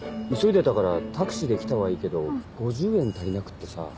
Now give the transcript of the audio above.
急いでたからタクシーで来たはいいけど５０円足りなくってさ。